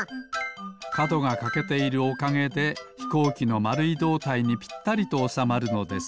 かどがかけているおかげでひこうきのまるいどうたいにぴったりとおさまるのです。